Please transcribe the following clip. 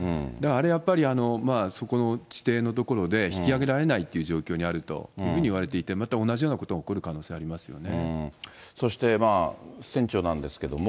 あれやっぱり、そこの地底の所で引き揚げられないという状況にあるというふうにいわれていて、また同じようなことが起こる可能性そして船長なんですけども。